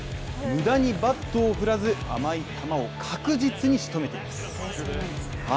無駄にバットを振らず、甘い球を確実に仕留めているんですね